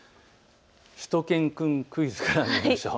しゅと犬くんクイズからまいりましょう。